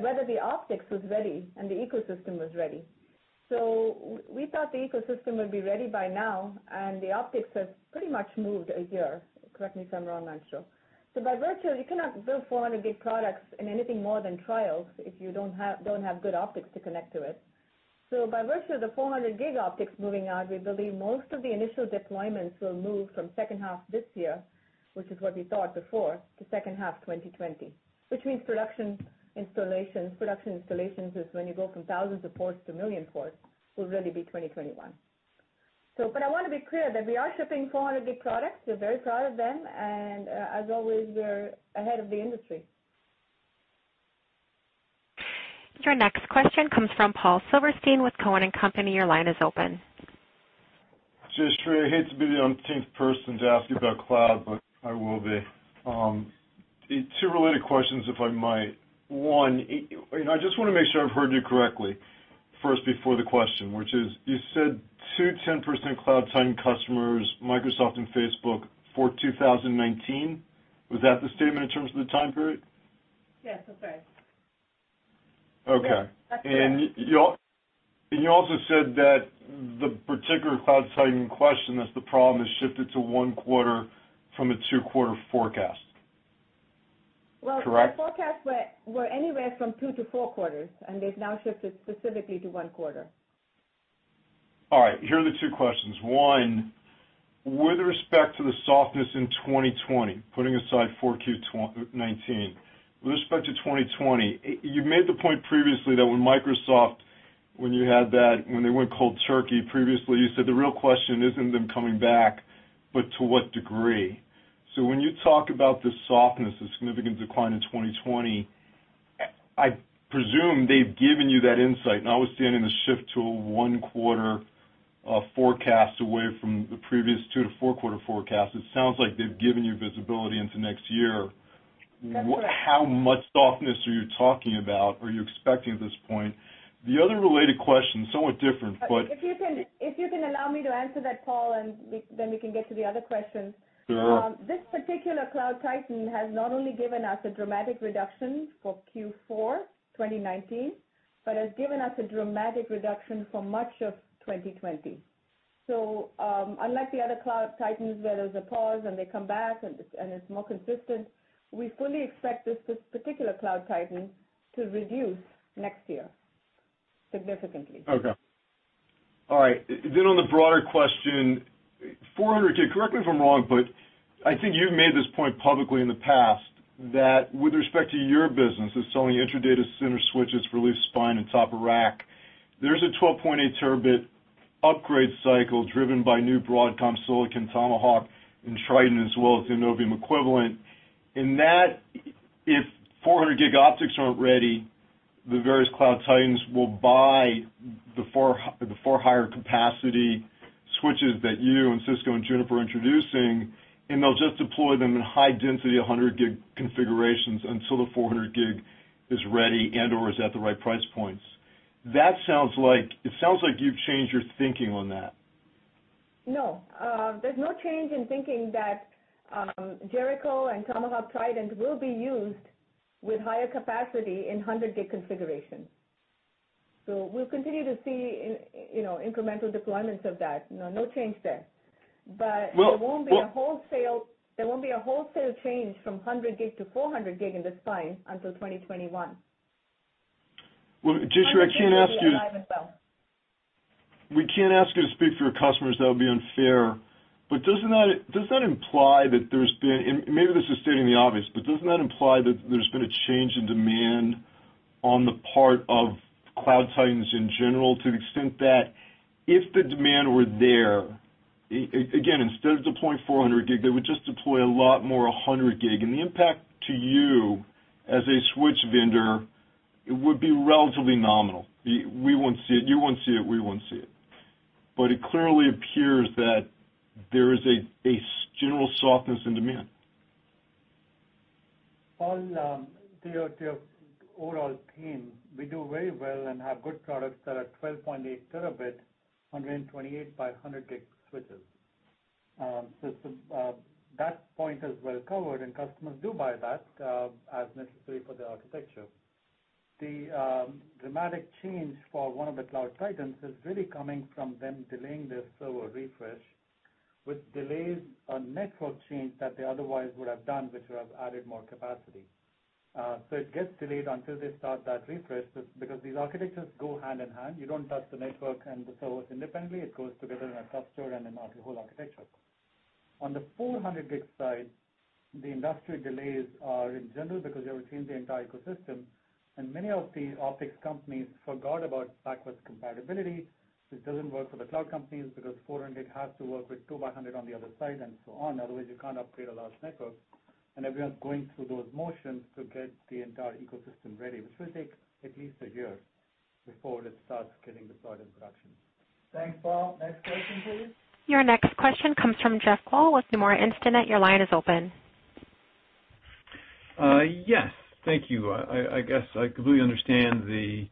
S3: whether the optics was ready and the ecosystem was ready. We're shipping 10 types of products now. We thought the ecosystem would be ready by now, and the optics has pretty much moved a year. Correct me if I'm wrong, Mansour. By virtue, you cannot build 400G products in anything more than trials if you don't have good optics to connect to it. By virtue of the 400G optics moving out, we believe most of the initial deployments will move from second half this year, which is what we thought before, to second half 2020. Which means production installations is when you go from thousands of ports to million ports, will really be 2021. I want to be clear that we are shipping 400G products. We're very proud of them. As always, we're ahead of the industry.
S1: Your next question comes from Paul Silverstein with Cowen & Company. Your line is open.
S20: Jayshree, I hate to be the umpteenth person to ask you about Cloud Titan, but I will be. Two related questions, if I might. One, I just want to make sure I've heard you correctly first before the question, which is you said two 10% Cloud Titan customers, Microsoft and Facebook, for 2019. Was that the statement in terms of the time period?
S3: Yes, that's right.
S20: Okay.
S3: That's correct.
S20: You also said that the particular Cloud Titan in question that's the problem has shifted to one quarter from a two-quarter forecast. Correct?
S3: Our forecasts were anywhere from two to four quarters, and they've now shifted specifically to one quarter.
S20: All right. Here are the two questions. One, with respect to the softness in 2020, putting aside 4Q19. With respect to 2020, you made the point previously that when Microsoft, when they went cold turkey previously, you said the real question isn't them coming back, but to what degree. When you talk about the softness, the significant decline in 2020 I presume they've given you that insight, notwithstanding the shift to a one-quarter forecast away from the previous two- to four-quarter forecast. It sounds like they've given you visibility into next year.
S3: That's right.
S20: How much softness are you talking about, are you expecting at this point? The other related question, somewhat different, but-
S3: If you can allow me to answer that, Paul, and then we can get to the other questions.
S20: Sure.
S3: This particular Cloud Titan has not only given us a dramatic reduction for Q4 2019, but has given us a dramatic reduction for much of 2020. Unlike the other Cloud Titans, where there's a pause and they come back, and it's more consistent, we fully expect this particular Cloud Titan to reduce next year significantly.
S20: Okay. All right. On the broader question, 400G, correct me if I'm wrong, but I think you've made this point publicly in the past that with respect to your business of selling intra-data center switches for leaf-spine and top-of-rack, there's a 12.8 terabit upgrade cycle driven by new Broadcom silicon Tomahawk and Trident, as well as the Innovium equivalent. In that, if 400G optics aren't ready, the various Cloud Titans will buy the far higher capacity switches that you and Cisco and Juniper are introducing, and they'll just deploy them in high density 100G configurations until the 400G is ready and/or is at the right price points. It sounds like you've changed your thinking on that.
S3: There's no change in thinking that Jericho and Tomahawk Trident will be used with higher capacity in 100G configurations. We'll continue to see incremental deployments of that. No change there. There won't be a wholesale change from 100G to 400G in the spine until 2021.
S20: Well, Jayshree, I can't ask you-
S3: 100G will be alive and well.
S20: We can't ask you to speak for your customers. That would be unfair. Does that imply that there's been, and maybe this is stating the obvious, but does it not imply that there's been a change in demand on the part of Cloud Titans in general to the extent that if the demand were there, again, instead of deploying 400G, they would just deploy a lot more 100G, and the impact to you as a switch vendor would be relatively nominal. You won't see it, we won't see it. It clearly appears that there is a general softness in demand.
S7: Paul, to your overall theme, we do very well and have good products that are 12.8 Tbps, 128 by 100G switches. That point is well covered, and customers do buy that as necessary for the architecture. The dramatic change for one of the Cloud Titans is really coming from them delaying their server refresh, which delays a network change that they otherwise would have done, which would have added more capacity. It gets delayed until they start that refresh because these architectures go hand in hand. You don't touch the network and the servers independently. It goes together in a cluster and in your whole architecture. On the 400G side, the industry delays are in general because they will change the entire ecosystem. Many of the optics companies forgot about backwards compatibility, which doesn't work for the cloud companies because 400G has to work with 2 by 100 on the other side and so on. Otherwise, you can't upgrade a large network. Everyone's going through those motions to get the entire ecosystem ready, which will take at least a year before it starts getting deployed in production.
S2: Thanks, Paul. Next question, please.
S1: Your next question comes from Jeffrey Kvaal with Nomura Instinet. Your line is open.
S21: Yes. Thank you. I guess I completely understand the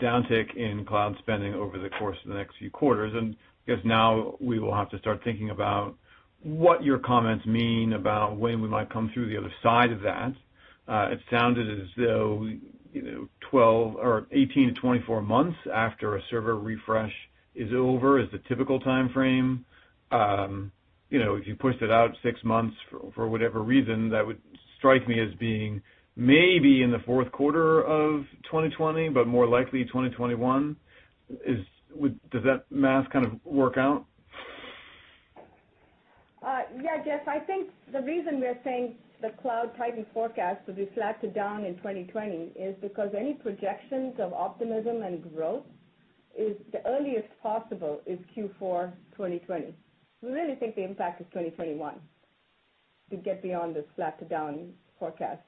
S21: downtick in cloud spending over the course of the next few quarters, and I guess now we will have to start thinking about what your comments mean about when we might come through the other side of that. It sounded as though 18-24 months after a server refresh is over is the typical timeframe. If you pushed it out six months for whatever reason, that would strike me as being maybe in the fourth quarter of 2020, but more likely 2021. Does that math work out?
S3: Yeah, Jeff. I think the reason we are saying the Cloud Titan forecast will be slacked down in 2020 is because any projections of optimism and growth, the earliest possible is Q4 2020. We really think the impact is 2021 to get beyond the slacked down forecast.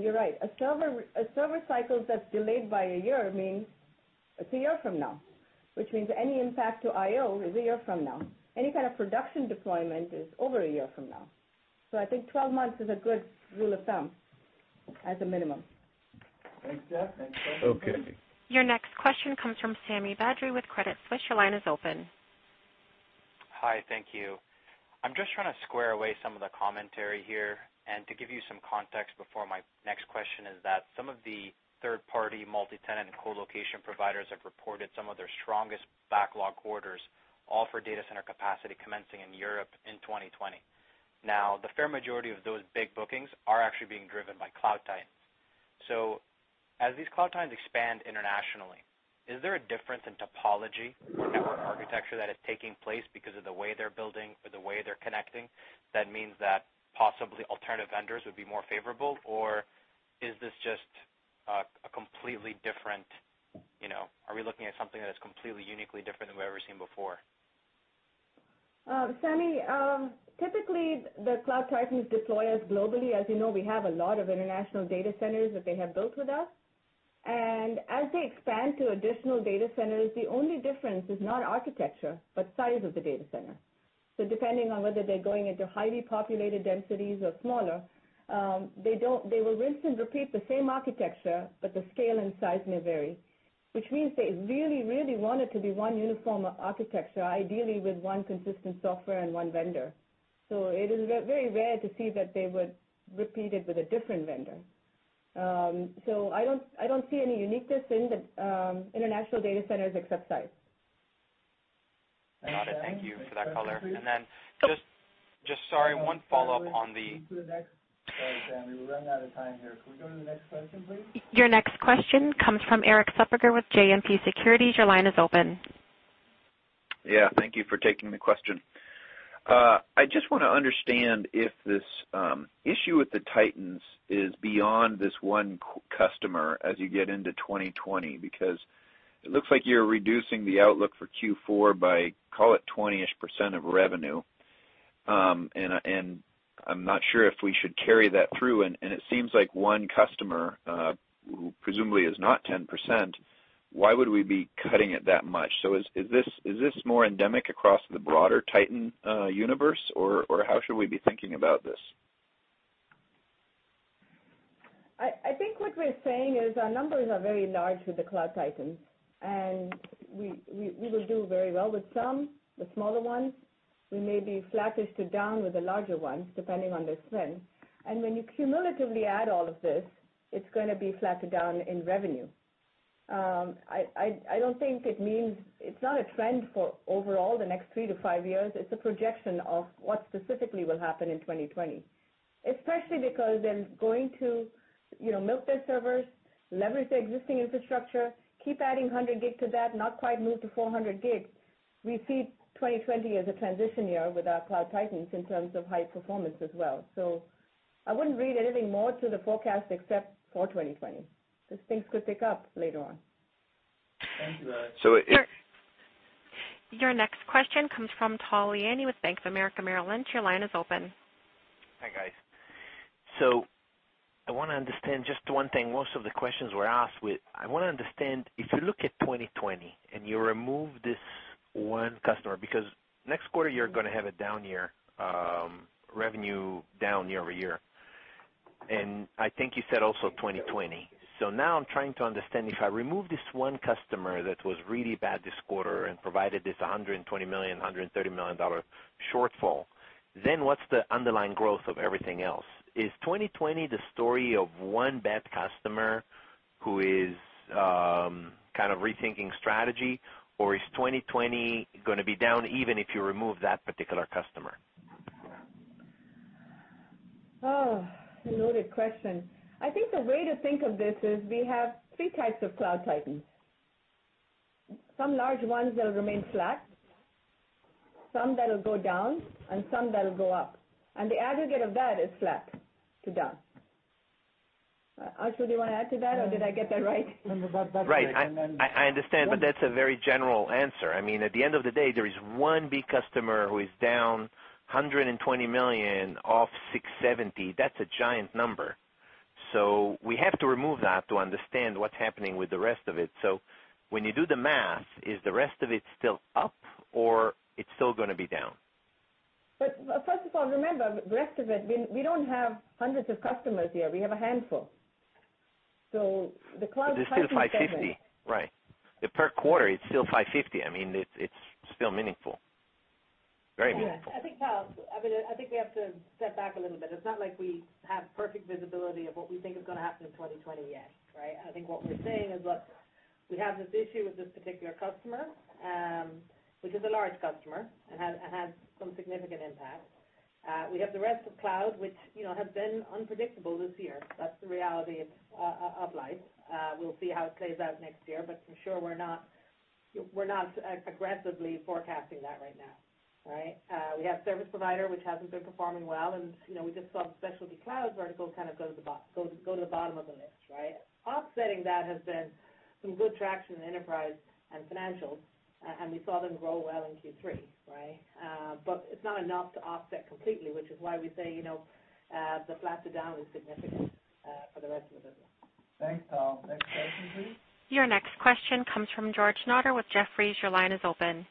S3: You're right, a server cycle that's delayed by a year means it's a year from now, which means any impact to IO is a year from now. Any kind of production deployment is over a year from now. I think 12 months is a good rule of thumb as a minimum.
S2: Thanks, Jeff. Next question, please.
S21: Okay.
S1: Your next question comes from Sami Badri with Credit Suisse. Your line is open.
S22: Hi. Thank you. I'm just trying to square away some of the commentary here. To give you some context before my next question is that some of the third-party multi-tenant and colocation providers have reported some of their strongest backlog quarters, all for data center capacity commencing in Europe in 2020. The fair majority of those big bookings are actually being driven by Cloud Titans. As these Cloud Titans expand internationally, is there a difference in topology or network architecture that is taking place because of the way they're building or the way they're connecting that means that possibly alternative vendors would be more favorable? Are we looking at something that is completely uniquely different than we've ever seen before?
S3: Sami, typically the Cloud Titans deploy us globally. As you know, we have a lot of international data centers that they have built with us. As they expand to additional data centers, the only difference is not architecture, but size of the data center. Depending on whether they're going into highly populated densities or smaller, they will rinse and repeat the same architecture, but the scale and size may vary. They really want it to be one uniform architecture, ideally with one consistent software and one vendor. It is very rare to see that they would repeat it with a different vendor. I don't see any uniqueness in the international data centers except size.
S22: Got it. Thank you for that color. Just, sorry, one follow-up on the.
S3: Can we do the next? Sorry, Sami, we're running out of time here. Can we go to the next question, please?
S1: Your next question comes from Erik Suppiger with JMP Securities. Your line is open.
S23: Yeah. Thank you for taking the question. I just want to understand if this issue with the Titans is beyond this one customer as you get into 2020, because it looks like you're reducing the outlook for Q4 by, call it, 20-ish% of revenue. I'm not sure if we should carry that through, and it seems like one customer, who presumably is not 10%, why would we be cutting it that much? Is this more endemic across the broader Titan universe, or how should we be thinking about this?
S3: I think what we're saying is our numbers are very large with the Cloud Titans, and we will do very well with some, the smaller ones. We may be flattish to down with the larger ones, depending on their spend. When you cumulatively add all of this, it's going to be flatter down in revenue. I don't think it means it's not a trend for overall the next three to five years. It's a projection of what specifically will happen in 2020, especially because they're going to milk their servers, leverage their existing infrastructure, keep adding 100G to that, not quite move to 400G. We see 2020 as a transition year with our Cloud Titans in terms of high performance as well. I wouldn't read anything more to the forecast except for 2020, because things could pick up later on.
S4: Thank you, Erik.
S1: Your next question comes from Tal Liani with Bank of America Merrill Lynch. Your line is open.
S24: Hi, guys. I want to understand just one thing most of the questions were asked with. I want to understand, if you look at 2020 and you remove this one customer, because next quarter, you're going to have a down year, revenue down year-over-year. I think you said also 2020. Now I'm trying to understand, if I remove this one customer that was really bad this quarter and provided this $120 million, $130 million shortfall, then what's the underlying growth of everything else? Is 2020 the story of one bad customer who is kind of rethinking strategy, or is 2020 going to be down even if you remove that particular customer?
S3: Oh, loaded question. I think the way to think of this is we have 3 types of Cloud Titans. Some large ones that'll remain flat, some that'll go down, and some that'll go up. The aggregate of that is flat to down. Archana, do you want to add to that, or did I get that right?
S4: No, no, that's right.
S24: Right. I understand, that's a very general answer. At the end of the day, there is one big customer who is down $120 million off $670. That's a giant number. We have to remove that to understand what's happening with the rest of it. When you do the math, is the rest of it still up or it's still going to be down?
S3: First of all, remember, the rest of it, we don't have hundreds of customers here, we have a handful. The Cloud Titan segment.
S24: There's still $550, right. The per quarter, it's still $550. It's still meaningful. Very meaningful.
S4: Yeah. I think, Tal, we have to step back a little bit. It's not like we have perfect visibility of what we think is going to happen in 2020 yet, right? I think what we're saying is, look, we have this issue with this particular customer, which is a large customer and has some significant impact. We have the rest of cloud, which has been unpredictable this year. That's the reality of life. We'll see how it plays out next year. For sure, we're not aggressively forecasting that right now. Right? We have service provider, which hasn't been performing well, and we just saw the specialty cloud vertical kind of go to the bottom of the list, right? Offsetting that has been some good traction in enterprise and financials, and we saw them grow well in Q3, right? It's not enough to offset completely, which is why we say the flat to down is significant for the rest of the business. Thanks, Tal. Next question please.
S1: Your next question comes from George Notter with Jefferies. Your line is open.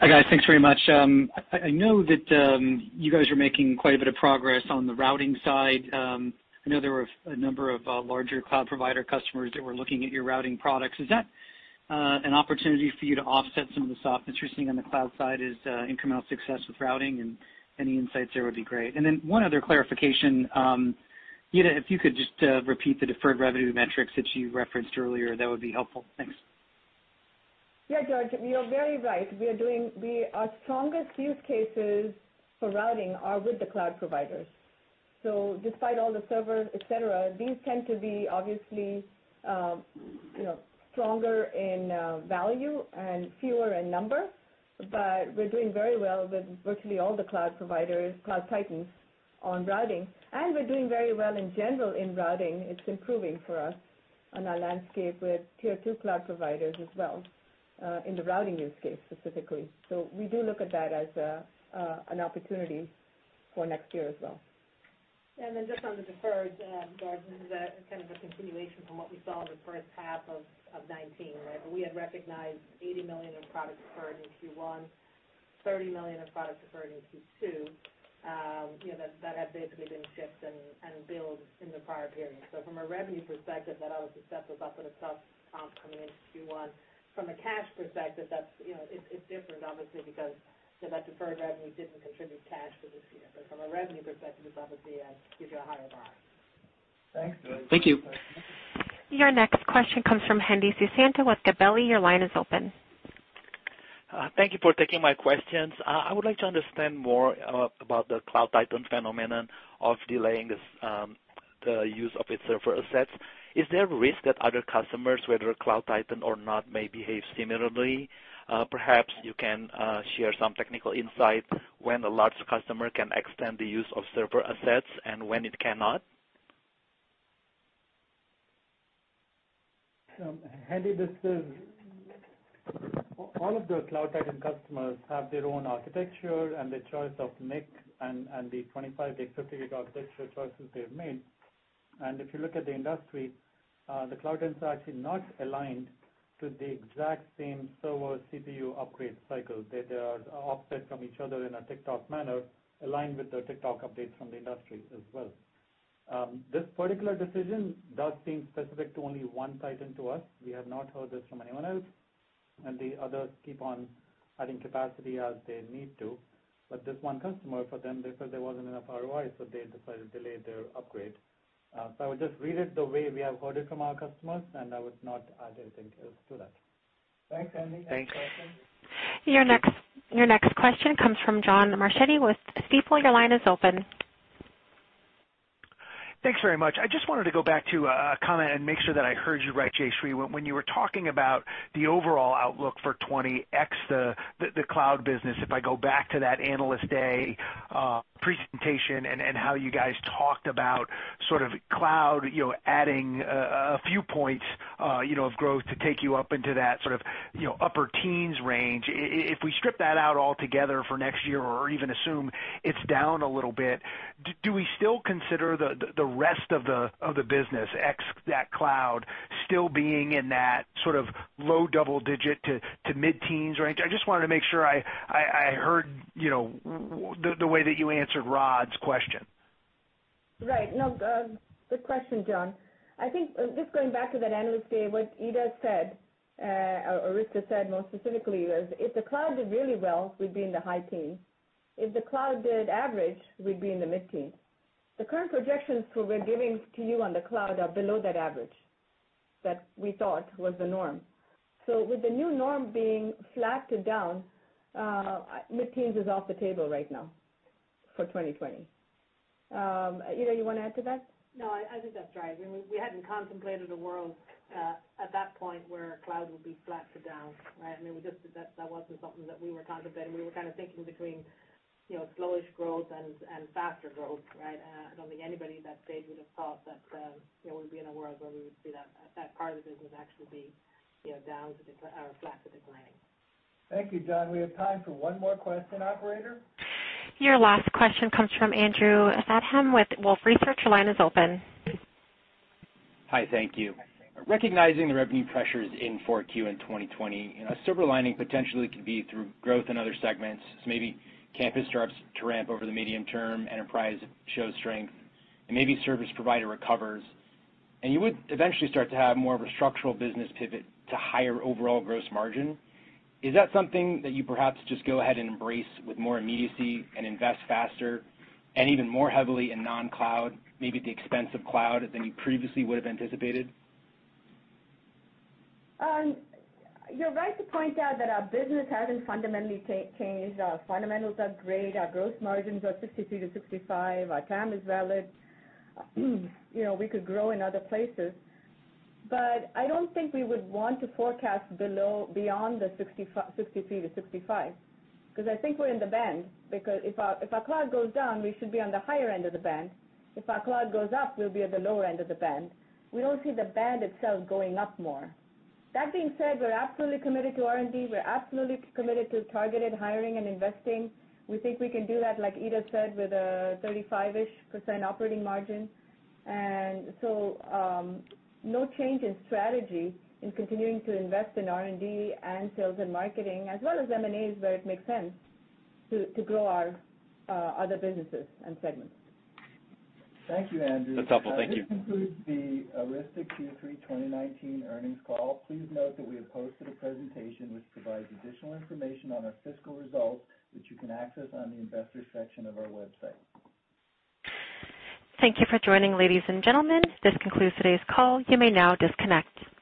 S25: Hi, guys. Thanks very much. I know that you guys are making quite a bit of progress on the routing side. I know there were a number of larger cloud provider customers that were looking at your routing products. Is that an opportunity for you to offset some of the softness you're seeing on the cloud side as incremental success with routing, and any insights there would be great. One other clarification. Ita, if you could just repeat the deferred revenue metrics that you referenced earlier, that would be helpful. Thanks.
S3: Yeah, George, you're very right. Despite all the servers, et cetera, these tend to be obviously stronger in value and fewer in number, but we're doing very well with virtually all the cloud providers, Cloud Titans on routing, and we're doing very well in general in routing. It's improving for us.
S7: On our landscape with tier 2 cloud providers as well, in the routing use case specifically. We do look at that as an opportunity for next year as well.
S4: Just on the deferred, George, this is a continuation from what we saw in the first half of 2019, right? We had recognized $80 million in product deferred in Q1, $30 million in product deferred in Q2, that had basically been shipped and billed in the prior period. From a revenue perspective, that always sets us up with a tough comp coming into Q1. From a cash perspective, it's different, obviously, because that deferred revenue didn't contribute cash for this year. From a revenue perspective, it's obviously gives you a higher bar.
S2: Thanks.
S25: Thank you.
S1: Your next question comes from Hendi Susanto with Gabelli. Your line is open.
S26: Thank you for taking my questions. I would like to understand more about the Cloud Titan phenomenon of delaying the use of its server assets. Is there a risk that other customers, whether Cloud Titan or not, may behave similarly? Perhaps you can share some technical insight when a large customer can extend the use of server assets and when it cannot.
S7: Hendi, this is All of the Cloud Titan customers have their own architecture and the choice of mix and the 25G, 50G architecture choices they've made. If you look at the industry, the Cloud Titans are actually not aligned to the exact same server CPU upgrade cycle. They are offset from each other in a tick-tock manner, aligned with the tick-tock updates from the industry as well. This particular decision does seem specific to only one Titan to us. We have not heard this from anyone else, and the others keep on adding capacity as they need to. This one customer, for them, they felt there wasn't enough ROI, so they decided to delay their upgrade. I would just read it the way we have heard it from our customers, and I would not add anything else to that.
S2: Thanks, Hendi.
S26: Thanks.
S1: Your next question comes from John Marchetti with Stifel. Your line is open.
S27: Thanks very much. I just wanted to go back to a comment and make sure that I heard you right, Jayshree. When you were talking about the overall outlook for 2020, ex the cloud business, if I go back to that Analyst Day presentation and how you guys talked about cloud adding a few points of growth to take you up into that upper-teens range. If we strip that out altogether for next year or even assume it's down a little bit, do we still consider the rest of the business, ex that cloud, still being in that low double-digit to mid-teens range? I just wanted to make sure I heard the way that you answered Rod's question.
S3: Right. No, good question, John. I think just going back to that Analyst Day, what Ita said, or Arista said more specifically, was if the cloud did really well, we'd be in the high teens. If the cloud did average, we'd be in the mid-teens. The current projections we're giving to you on the cloud are below that average that we thought was the norm. With the new norm being flat to down, mid-teens is off the table right now for 2020. Ita, you want to add to that?
S4: No, I think that's right. We hadn't contemplated a world at that point where cloud would be flat to down. Right? That wasn't something that we were contemplating. We were kind of thinking between slowish growth and faster growth, right? I don't think anybody that day would've thought that we would be in a world where we would see that part of the business actually be down to, or flat to declining.
S2: Thank you, John. We have time for one more question, operator.
S1: Your last question comes from Andrew [Statham] with Wolfe Research. Your line is open.
S28: Hi, thank you. Recognizing the revenue pressures in 4Q and 2020, a silver lining potentially could be through growth in other segments. Maybe campus starts to ramp over the medium term, enterprise shows strength, and maybe service provider recovers. You would eventually start to have more of a structural business pivot to higher overall gross margin. Is that something that you perhaps just go ahead and embrace with more immediacy and invest faster and even more heavily in non-cloud, maybe at the expense of cloud, than you previously would've anticipated?
S3: You're right to point out that our business hasn't fundamentally changed. Our fundamentals are great. Our gross margins are 63%-65%. Our TAM is valid. We could grow in other places. I don't think we would want to forecast beyond the 63%-65%, because I think we're in the band. Because if our cloud goes down, we should be on the higher end of the band. If our cloud goes up, we'll be at the lower end of the band. We don't see the band itself going up more. That being said, we're absolutely committed to R&D. We're absolutely committed to targeted hiring and investing. We think we can do that, like Ita said, with a 35-ish% operating margin.
S7: No change in strategy in continuing to invest in R&D and sales and marketing, as well as M&As where it makes sense to grow our other businesses and segments.
S2: Thank you, Andrew.
S28: That's helpful. Thank you.
S2: This concludes the Arista Q3 2019 earnings call. Please note that we have posted a presentation which provides additional information on our fiscal results, which you can access on the Investors section of our website.
S1: Thank you for joining, ladies and gentlemen. This concludes today's call. You may now disconnect.